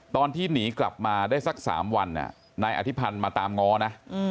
ตอนที่หนีกลับมาได้สัก๓วันนายอธิพันธ์มาตามง้อนะ